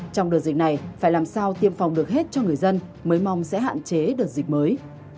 trong đợt dịch này phải làm sao tiêm phòng được hết cho người dân mới mong sẽ hạn chế đợt dịch mới